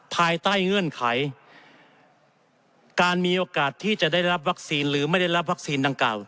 ภายใต้เงื่อนไขการมีโอกาสที่จะได้รับวัคซีนหรือไม่ได้รับวัคซีนดังกล่าว